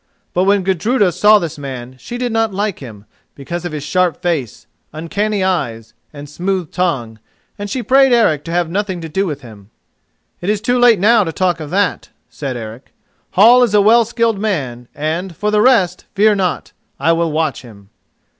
But when Gudruda saw this man, she did not like him, because of his sharp face, uncanny eyes, and smooth tongue, and she prayed Eric to have nothing to do with him. "It is too late now to talk of that," said Eric. "Hall is a well skilled man, and, for the rest, fear not: I will watch him."